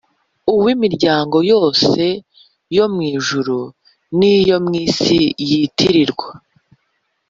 Uw'imiryango yose yo mu ijuru n'iyo mu isi yitirirwa